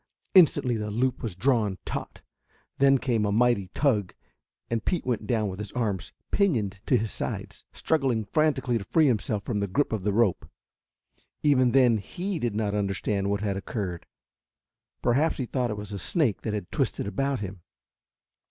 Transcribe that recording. Instantly the loop was drawn taut; then came a mighty tug and Pete went down with his arms pinioned to his sides, struggling frantically to free himself from the grip of the rope. Even then he did not understand what had occurred. Perhaps he thought it was a snake that had twisted about him.